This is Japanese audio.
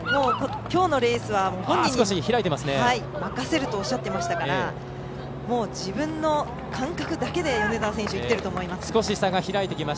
きょうのレースは本人に任せるとおっしゃっていましたから自分の感覚だけで差が開いています。